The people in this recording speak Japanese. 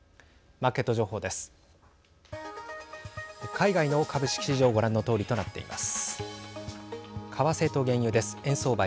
マーケット情報です。